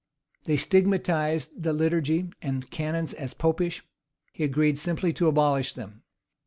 They stigmatized the liturgy and canons as Popish: he agreed simply to abolish them.